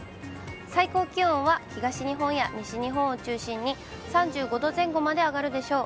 最高気温は東日本や西日本を中心に、３５度前後まで上がるでしょう。